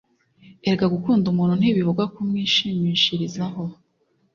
“Erega gukunda umuntu ntibivuga kumwishimishirizaho